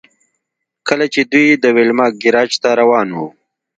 کله چې دوی د ویلما ګراج ته روان وو